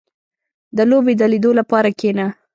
• د لوبې د لیدو لپاره کښېنه.